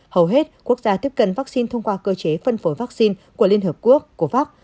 hầu hết quốc gia tiếp cận vaccine thông qua cơ chế phân phối vaccine của liên hợp quốc